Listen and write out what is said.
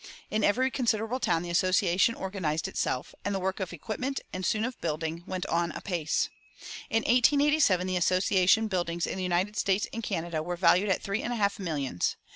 In every considerable town the Association organized itself, and the work of equipment, and soon of building, went on apace. In 1887 the Association buildings in the United States and Canada were valued at three and a half millions.